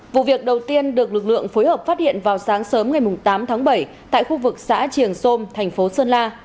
vụ việc đầu tiên được lực lượng phối hợp phát hiện vào sáng sớm ngày tám tháng bảy tại khu vực xã triềng sôm thành phố sơn la